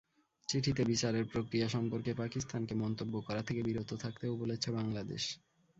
চিঠিতে বিচারের প্রক্রিয়া সম্পর্কে পাকিস্তানকে মন্তব্য করা থেকে বিরত থাকতেও বলেছে বাংলাদেশ।